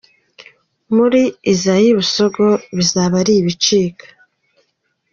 Muri Isae Busogo bizaba ari ibicika.